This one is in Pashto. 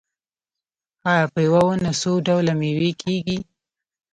آیا په یوه ونه څو ډوله میوه کیږي؟